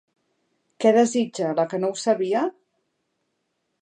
Què desitja, la que no ho sabia?